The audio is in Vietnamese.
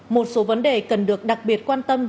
một số vấn đề cần được đặc biệt quan tâm